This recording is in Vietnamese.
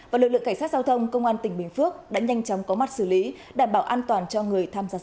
và lực lượng cảnh sát giao thông công an tỉnh bình phước đã nhanh chóng